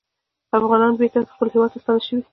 افغانان بېرته خپل هیواد ته ستانه شوي